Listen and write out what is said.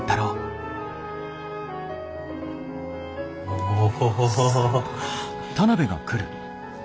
おお。